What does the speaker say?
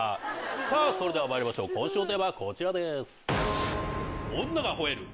さぁそれではまいりましょう今週のテーマはこちらです。